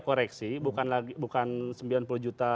koreksi bukan sembilan puluh juta